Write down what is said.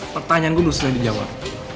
pertanyaan gua udah selesai dijawab